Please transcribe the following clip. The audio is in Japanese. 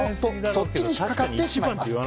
そっちに引っかかってしまいます。